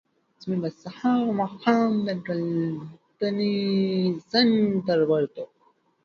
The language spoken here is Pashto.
سمیر به سهار او ماښام د ګلدانۍ څنګ ته ورتلو.